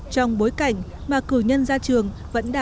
trong bối cảnh mà cử nhân ra trường vẫn đang xếp hàng chờ việc